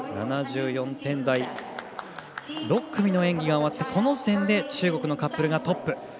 ７４点台、６組の演技が終わってこの時点で中国のカップルがトップ。